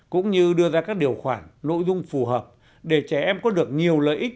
cũng như đưa ra các điều khoản nội dung phù hợp để trẻ em có được nhiều lợi ích